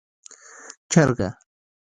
🐔 چرګه